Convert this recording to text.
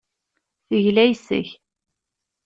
Tegla yes-k.